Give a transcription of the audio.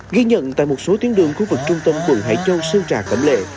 ghi nhận tại một số tuyến đường khu vực trung tâm quận hải châu sơn trà cẩm lệ